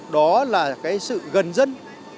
đó là sự gần dân